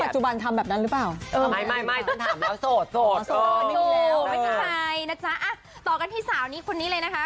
สุดยอดถ้าเกิดยังไม่แต่เขา